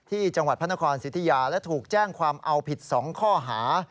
ที่จังหวัดพระนครสิทธิยาและถูกแจ้งความเอาผิด๒ข้อหา